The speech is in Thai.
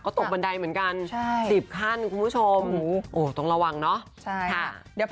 ตกบันไดเหมือนกัน๑๐ขั้นคุณผู้ชมโอ้ต้องระวังเนาะ